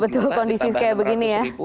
betul kondisi kayak begini ya